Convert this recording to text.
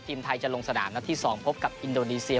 ทีมไทยจะลงสนามนัดที่๒พบกับอินโดนีเซีย